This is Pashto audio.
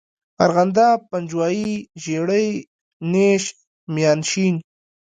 ارغنداب، پنجوائی، ژړی، نیش، میانشین.